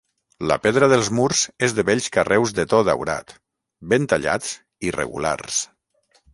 La pedra dels murs és de bells carreus de to daurat, ben tallats i regulars.